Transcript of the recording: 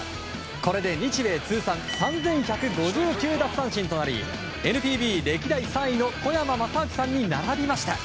これで日米通算３１５９奪三振となりＮＰＢ歴代３位の小山正明さんに並びました。